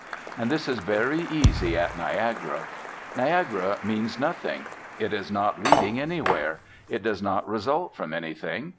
And this is very easy at Niagara. Niagara means nothing. It is not leading anywhere. It does not result from anything.